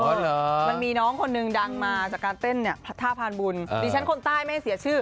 มันมีน้องคนนึงดังมาจากการเต้นเนี่ยท่าพานบุญดิฉันคนใต้ไม่เสียชื่อ